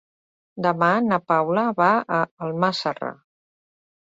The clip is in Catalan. Demà na Paula va a Almàssera.